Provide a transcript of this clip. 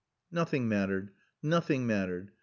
Nothing mattered. Nothing mattered.